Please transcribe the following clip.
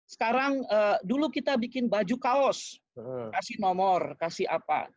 sekarang dulu kita bikin baju kaos kasih nomor kasih apa